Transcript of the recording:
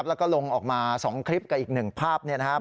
แล้วก็ลงออกมา๒คลิปกับอีก๑ภาพเนี่ยนะครับ